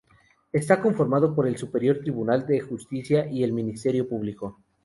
Está conformado por el Superior Tribunal de Justicia y el Ministerio Público.